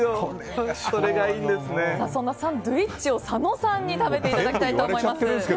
そんなサンドゥイッチを佐野さんに食べていただきたいと思います。